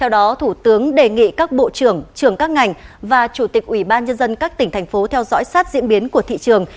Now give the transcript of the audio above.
thủ tướng đề nghị các bộ trưởng trưởng các ngành và chủ tịch ủy ban nhân dân các tỉnh thành phố theo dõi sát diễn biến của thị trường